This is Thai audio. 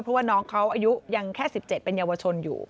เพราะว่าน้องเขาอายุยังแค่๑๗เป็นเยาวชนอยู่